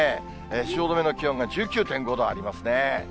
汐留の気温が１９．５度ありますね。